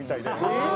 えっ？